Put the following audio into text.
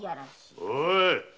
・おい！